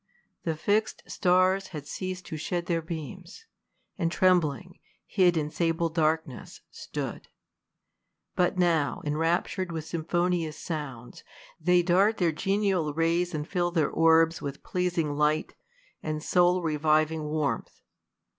The iixed stars had ceas'd to shed their beams, And trembling, hid in sable darkness, stood ; But now, enraptur'd with symphonious sounds, They dart their genial rays, and fill their orbs lYith pleasing light, and soul reviving warmth.